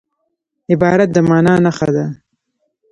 عبارت د مانا نخښه ده.